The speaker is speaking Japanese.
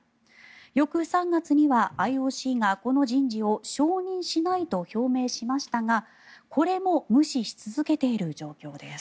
翌３月にはＩＯＣがこの人事を承認しないと表明しましたが、これも無視し続けている状況です。